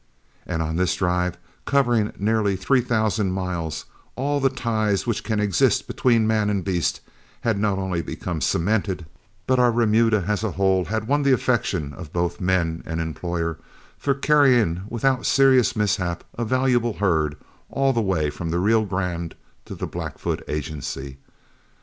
And on this drive, covering nearly three thousand miles, all the ties which can exist between man and beast had not only become cemented, but our remuda as a whole had won the affection of both men and employer for carrying without serious mishap a valuable herd all the way from the Rio Grande to the Blackfoot Agency.